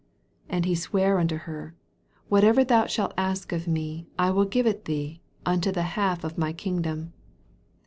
23 And he sware unto her, What soever thou shalt ask of me, I will five it thee, unto the half of my ingdom.